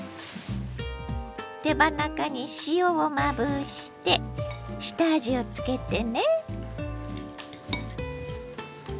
手羽中に塩をまぶして下味をつけてね。